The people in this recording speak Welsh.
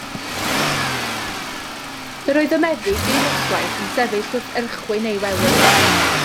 Yr oedd y meddyg un noswaith yn sefyll wrth erchwyn ei wely.